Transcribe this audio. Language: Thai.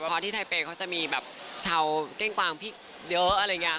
เพราะที่ไทเปย์เขาจะมีแบบชาวเก้งกวางพริกเยอะอะไรอย่างนี้